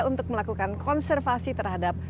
untuk melakukan konservasi terhadap